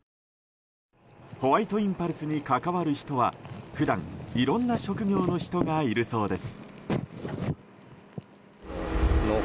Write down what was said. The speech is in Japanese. ホワイトインパルスに関わる人は普段、いろんな職業の人がいるそうです。